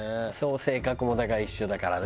性格もだから一緒だからね。